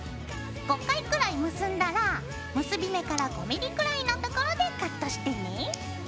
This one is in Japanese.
５回くらい結んだら結び目から５ｍｍくらいのところでカットしてね。